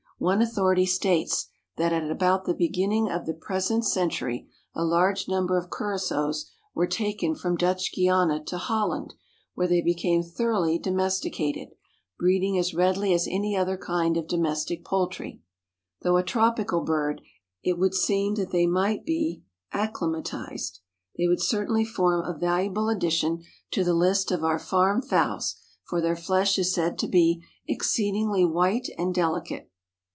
One authority states that at about the beginning of the present century a large number of Curassows were taken from Dutch Guiana to Holland, where they became thoroughly domesticated, breeding as readily as any other kind of domestic poultry. Though a tropical bird, it would seem that they might be acclimatized. They would certainly form a valuable addition to the list of our farm fowls, for their flesh is said to be "exceedingly white and delicate."